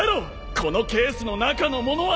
このケースの中のものは何だ！？